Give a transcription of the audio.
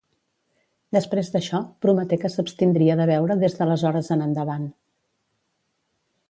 Després d'això prometé que s'abstindria de beure des d'aleshores en endavant.